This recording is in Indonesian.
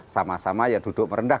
sama sama ya duduk merendah